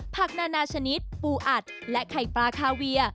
นานาชนิดปูอัดและไข่ปลาคาเวีย